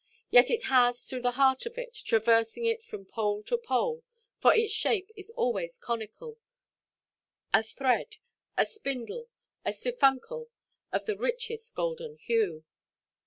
Yet it has, through the heart of it, traversing it from pole to pole (for its shape is always conical) a thread, a spindle, a siphuncle, of the richest golden hue.